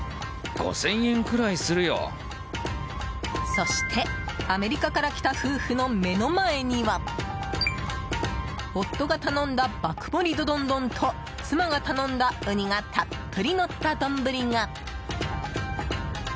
そして、アメリカから来た夫婦の目の前には夫が頼んだ爆盛ドドンドンと妻が頼んだウニがたっぷりのった丼が。